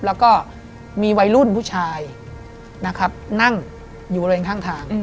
แล้วก็มีวัยรุ่นผู้ชายนะครับนั่งอยู่บริเวณข้างทาง